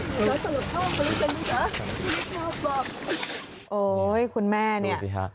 โยยคุณแม่เนี่ย